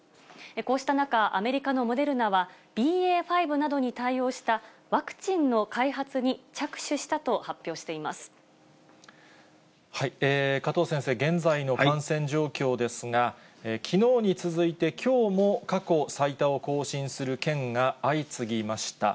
こうした中、アメリカのモデルナは、ＢＡ．５などに対応したワクチンの開発に着手したと発表していま加藤先生、現在の感染状況ですが、きのうに続いて、きょうも過去最多を更新する県が相次ぎました。